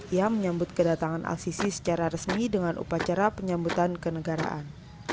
ia menyambut kedatangan al sisi secara resmi dengan upacara penyambutan kenegaraan